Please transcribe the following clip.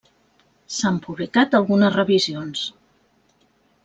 S'han publicat algunes revisions.